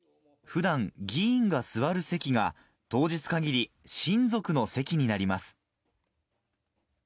ふだん、議員が座る席が当日限り、親族の席になります。